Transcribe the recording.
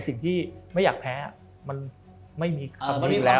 สิ่งที่ไม่อยากแพ้มันไม่มีคำนี้อยู่แล้ว